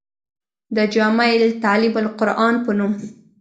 د جامعه تعليم القرآن پۀ نوم